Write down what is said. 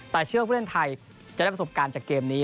แต่เชื่อผู้เล่นไทยจะได้ประสบการณ์จากเกมนี้